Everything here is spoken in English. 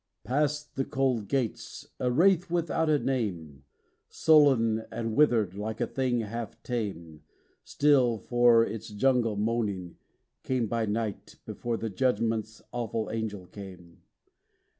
PAST the cold gates, a wraith without a name, Sullen and withered, like a thing half tame Still for its jungle moaning, came by night, Before the Judgment's awful Angel came.